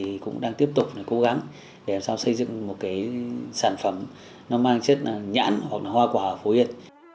thì cũng đang tiếp tục cố gắng để làm sao xây dựng một cái sản phẩm nó mang chất nhãn hoặc là hoa quả ở phú yên